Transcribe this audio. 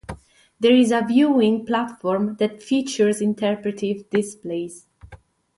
There is a viewing platform that features interpretive displays.